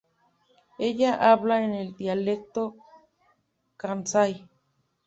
Ella habla en el dialecto kansai.